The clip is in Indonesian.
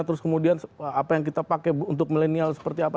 terus kemudian apa yang kita pakai untuk milenial seperti apa